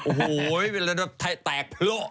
โอ้โหเวลาแบบแตกเพลอะ